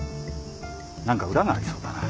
何か裏がありそうだな。